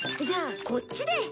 じゃあこっちで。